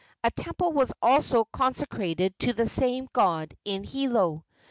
A temple was also consecrated to the same god in Hilo.